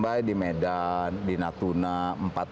kita standby di medan di natuna empatang